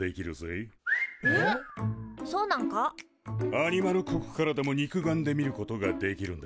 アニマル国からでも肉眼で見ることができるんだ。